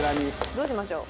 どうしましょう？